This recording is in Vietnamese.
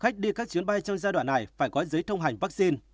chuyến bay trong giai đoạn này phải có giấy thông hành vaccine